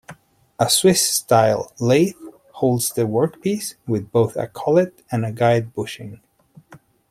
A Swiss-style lathe holds the workpiece with both a collet and a guide bushing.